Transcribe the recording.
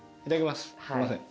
すいません